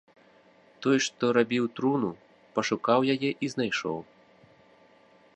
Той, што рабіў труну, пашукаў яе і знайшоў.